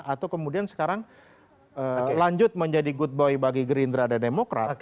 atau kemudian sekarang lanjut menjadi good boy bagi gerindra dan demokrat